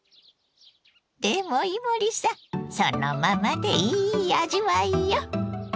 でも伊守さんそのままでいい味わいよ！